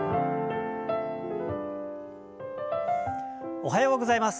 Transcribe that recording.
おはようございます。